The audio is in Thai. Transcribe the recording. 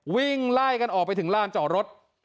วิ่งไล่กันออกไปถึงลานจอดรถ